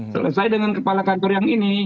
selesai dengan kepala kantor yang ini